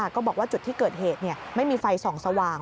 ก็บอกว่าจุดที่เกิดเหตุไม่มีไฟส่องสว่าง